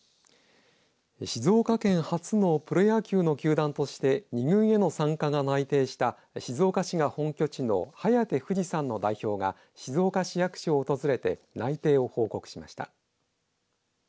静岡県初のプロ野球の球団として２軍への参加が内定した静岡市が本拠地のハヤテ２２３の代表が静岡市役所を訪れて内定を報告しました。